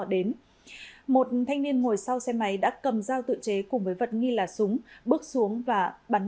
đến một thanh niên ngồi sau xe máy đã cầm dao tự chế cùng với vật nghi là súng bước xuống và bắn